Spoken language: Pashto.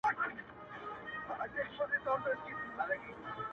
o کار چا وکی، چي تمام ئې کی٫